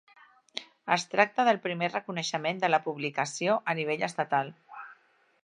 Es tracta del primer reconeixement de la publicació a nivell estatal.